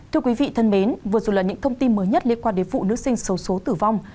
thưa quý vị thân mến vừa rồi là những thông tin mới nhất liên quan đến vụ nữ sinh xấu xố tử vong